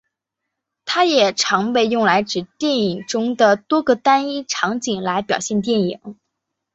它也常被用来指电影中的多个单一场景来表现电影。